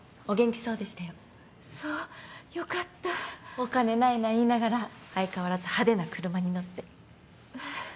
「お金ないない」言いながら相変わらず派手な車に乗って。